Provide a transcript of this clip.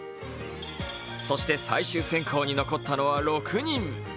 そして最終選考に残ったのは６人。